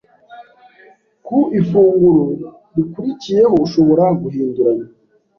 Ku ifunguro rikurikiyeho, ushobora guhinduranya.